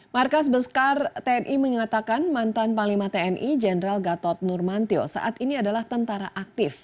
markas beskar tni mengatakan mantan panglima tni jenderal gatot nurmantio saat ini adalah tentara aktif